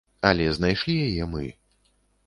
Але знайшлі яе мы.